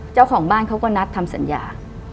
เจ้าของบ้านเขาก็นัดทำสัญญา